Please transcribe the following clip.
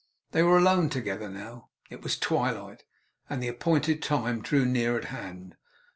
They were alone together now. It was twilight, and the appointed time drew near at hand.